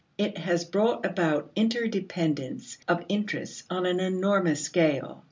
It has brought about interdependence of interests on an enormous scale.